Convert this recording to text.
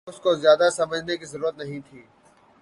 اس کو زیادہ سمجھنے کی ضرورت نہیں تھی